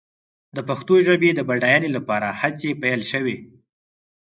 د پښتو ژبې د بډاینې لپاره هڅې پيل شوې.